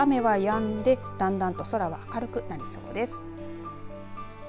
このあとは雨はやんでだんだんと空が明るくなりそうです。